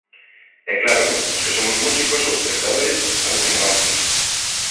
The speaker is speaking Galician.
E claro, os que somos músicos ou espectadores, alucinabamos.